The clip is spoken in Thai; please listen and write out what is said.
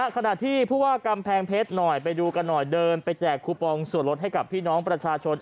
ขณะที่ผู้ว่ากำแพงเพชรหน่อยไปดูกันหน่อยเดินไปแจกคูปองส่วนลดให้กับพี่น้องประชาชน